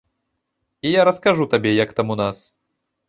І я раскажу табе, як там у нас.